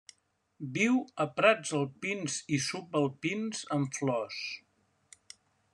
Viu a prats alpins i subalpins amb flors.